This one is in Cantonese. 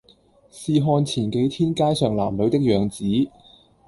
試看前幾天街上男女的樣子，